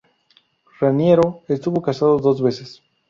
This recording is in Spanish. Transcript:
Raniero estuvo casado dos veces.